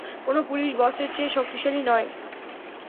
কোনো পুলিশ বসের চেয়ে শক্তিশালী নয়।